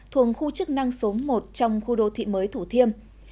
thuồng khu chức năng số một trong khu đô thị mới thủ thiêm